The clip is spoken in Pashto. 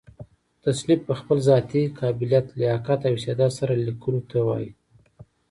تصنیف په خپل ذاتي قابلیت، لیاقت او استعداد سره؛ ليکلو ته وايي.